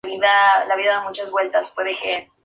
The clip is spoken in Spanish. Está especializado en plantas medicinales de todo el mundo.